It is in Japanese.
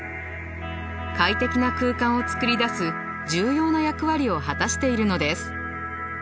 快適な空間を作り出す重要な役割を果たしているのです。